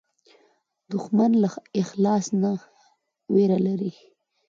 دښمن له اخلاص نه وېره لري